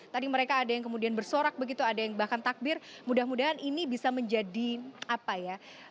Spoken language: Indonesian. tadi mereka ada yang kemudian bersorak begitu ada yang bahkan takbir mudah mudahan ini bisa menjadi apa ya